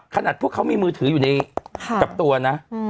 ขนาดพวกเขามีมือถืออยู่กับตัวนะ